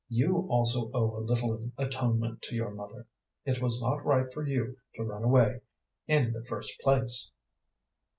You also owe a little atonement to your mother. It was not right for you to run away, in the first place."